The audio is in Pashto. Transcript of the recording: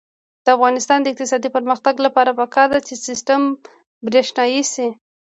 د افغانستان د اقتصادي پرمختګ لپاره پکار ده چې سیستم برښنايي شي.